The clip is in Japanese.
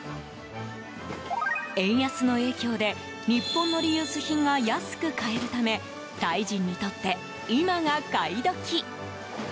円安の影響で日本のリユース品が安く買えるためタイ人にとって、今が買い時！